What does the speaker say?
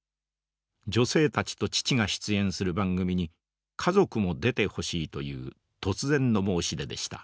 女性たちと父が出演する番組に家族も出てほしいという突然の申し出でした。